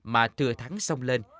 mà thừa thắng sông lên